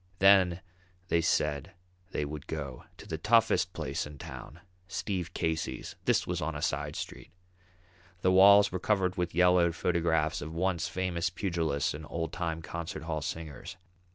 Then they said they would go to the toughest place in town, "Steve Casey's"; this was on a side street. The walls were covered with yellowed photographs of once famous pugilists and old time concert hall singers.